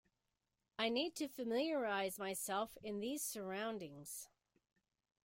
I need to familiarize myself in these surroundings.